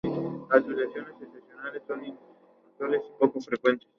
Son especialmente conocidos por sus remixes y por las ventas de white label.